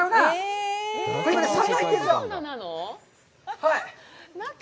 はい。